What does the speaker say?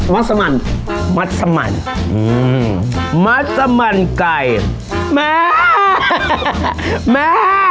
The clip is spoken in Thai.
มัสมันมัสสมันอืมมัสมันไก่แม่แม่